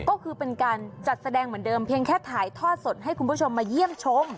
ก็คือเป็นการจัดแสดงเหมือนเดิมเพียงแค่ถ่ายทอดสดให้คุณผู้ชมมาเยี่ยมชม